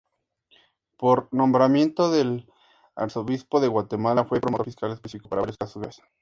Por nombramiento del arzobispo de Guatemala fue promotor fiscal específico para varios casos graves.